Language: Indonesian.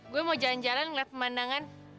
gue mau jalan jalan ngeliat pemandangan